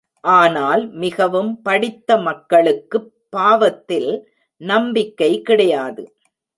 ஆனால் மிகவும் படித்த மக்களுக்குப் பாவத்தில் நம்பிக்கை கிடையாது.